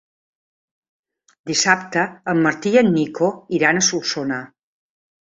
Dissabte en Martí i en Nico iran a Solsona.